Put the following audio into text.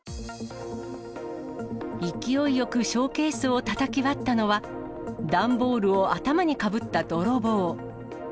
勢いよくショーケースをたたき割ったのは、段ボールを頭にかぶった泥棒。